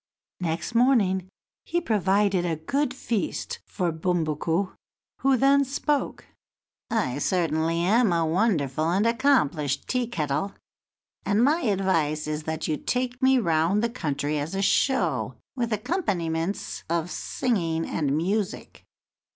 Next morning he provided a good feast for Bumbuku, who then spoke: "I certainly am a wonderful and accomplished Tea kettle, and my advice is that you take me round the country as a show, with accompaniments of singing and music."